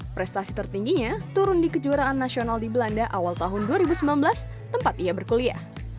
prestasi tertingginya turun di kejuaraan nasional di belanda awal tahun dua ribu sembilan belas tempat ia berkuliah